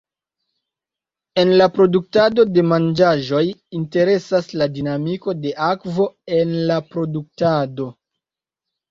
En la produktado de manĝaĵoj, interesas la dinamiko de akvo en la produktado.